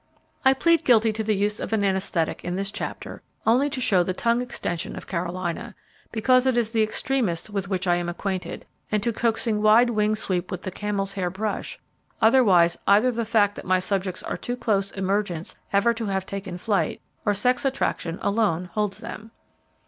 I plead guilty to the use of an anesthetic in this chapter only to show the tongue extension of Carolina, because it is the extremest with which I am acquainted; and to coaxing wide wing sweep with the camel'shair brush; otherwise either the fact that my subjects are too close emergence ever to have taken flight, or sex attraction alone holds them.